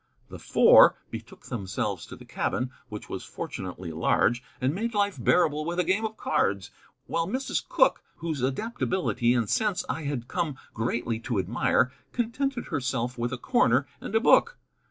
The Four betook themselves to the cabin, which was fortunately large, and made life bearable with a game of cards; while Mrs. Cooke, whose adaptability and sense I had come greatly to, admire, contented herself with a corner and a book.